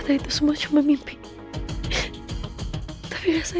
gak akan aku lepasin aku